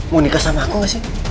mau nikah sama aku gak sih